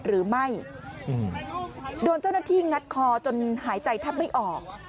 หรือไม่โดนเจ้าหน้าที่งัดคอจนหายใจแทบไม่ออก